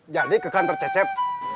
jadi ke kantor cecep